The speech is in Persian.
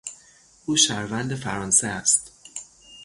او شهروند فرانسه است.